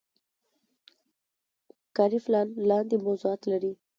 کاري پلان لاندې موضوعات لري.